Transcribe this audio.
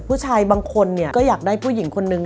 ผู้ชายบางคนเนี่ยก็อยากได้ผู้หญิงคนนึง